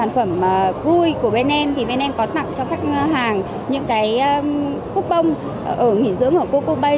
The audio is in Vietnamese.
những cái coupon ở nghỉ dưỡng ở coco bay thì bên em có tặng cho khách hàng những cái coupon ở nghỉ dưỡng ở coco bay